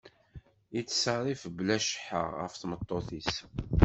Yettṣerrif bla cceḥḥa ɣef tmeṭṭut-is.